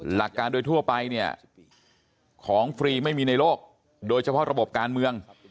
หลักการโดยทั่วไปเนี่ยของฟรีไม่มีในโลกโดยเฉพาะระบบการเมือง